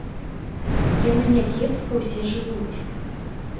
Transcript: Яны някепска ўсе жывуць.